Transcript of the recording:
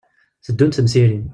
Tteddunt temsirin.